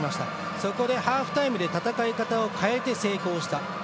そこでハーフタイムで戦い方を変えて成功した。